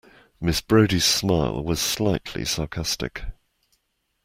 Miss Brodie's smile was slightly sarcastic.